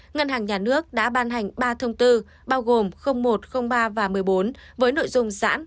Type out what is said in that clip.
ngân hàng nhà nước đã ban hành ba thông tư bao gồm một trăm linh ba và một mươi bốn với nội dung giãn